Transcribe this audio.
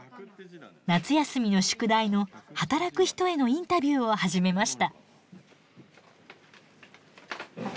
夏休みの宿題の「働く人へのインタビュー」を始めました。